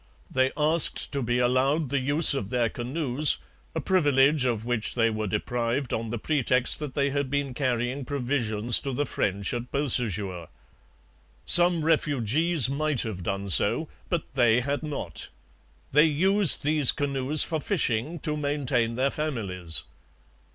They asked to be allowed the use of their canoes, a privilege of which they were deprived on the pretext that they had been carrying provisions to the French at Beausejour. Some refugees might have done so, but they had not. They used these canoes for fishing to maintain their families.